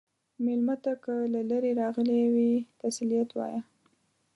مېلمه ته که له لرې راغلی وي، تسلیت وایه.